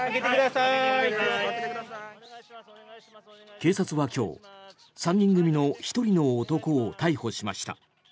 警察は今日、３人組の１人の男を逮捕しました。